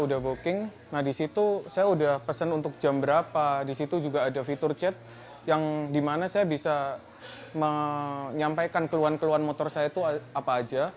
di mana saya bisa menyampaikan keluhan keluhan motor saya itu apa saja